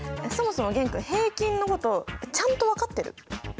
そもそも玄君平均のことちゃんと分かってる？